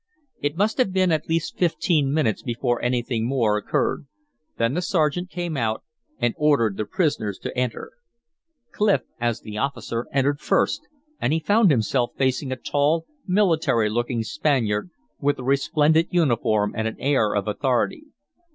It must have been at least fifteen minutes before anything more occurred. Then the sergeant came out, and ordered the prisoners to enter. Clif, as the officer, entered first, and he found himself facing a tall, military looking Spaniard with a resplendent uniform and an air of authority.